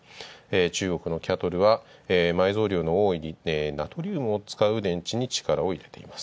中国のキャートルはナトリウムを使う電池に力を入れています。